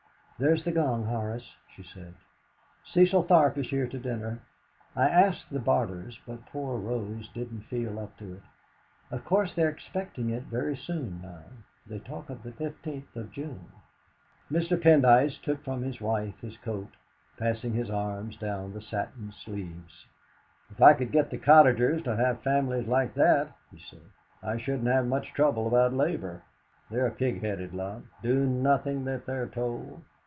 "There's the gong, Horace," she said. "Cecil Tharp is here to dinner. I asked the Barters, but poor Rose didn't feel up to it. Of course they are expecting it very soon now. They talk of the 15th of June." Mr. Pendyce took from his wife his coat, passing his arms down the satin sleeves. "If I could get the cottagers to have families like that," he said, "I shouldn't have much trouble about labour. They're a pig headed lot do nothing that they're told.